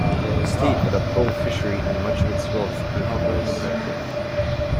The state had a pearl fishery and much of its wealth came from this.